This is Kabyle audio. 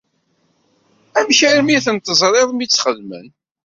Amek armi ten-teẓriḍ mi tt-xedmen?